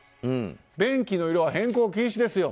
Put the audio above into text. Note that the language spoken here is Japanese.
便器の色は変更禁止ですよ